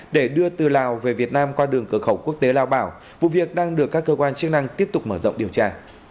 để đưa từ lào về việt nam qua đường cửa khẩu quốc tế lao bảo vụ việc đang được các cơ quan chức năng tiếp tục mở rộng điều tra